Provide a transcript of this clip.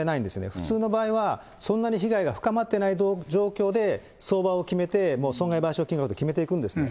普通の場合は、そんなに被害が深まってない状況で、相場を決めて、損害賠償金額を決めていくんですよね。